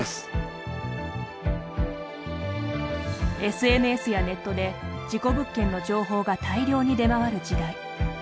ＳＮＳやネットで事故物件の情報が大量に出回る時代。